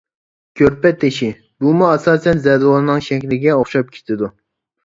كۆرپە تېشى: بۇمۇ ئاساسەن زەدىۋالنىڭ شەكلىگە ئوخشاپ كېتىدۇ.